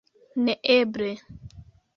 Neeble.